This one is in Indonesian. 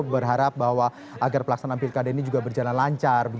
berharap bahwa agar pelaksanaan pilkada ini juga berjalan lancar